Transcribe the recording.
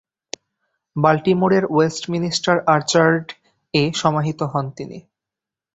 বাল্টিমোরের Westminster আর্চার্ড-এ সমাহিত হন তিনি।